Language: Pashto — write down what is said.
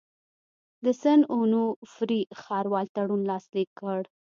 د سن اونوفري ښاروال تړون لاسلیک کړ.